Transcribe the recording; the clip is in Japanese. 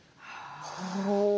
ほう。